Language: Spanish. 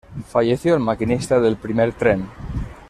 Falleció el maquinista del primer tren.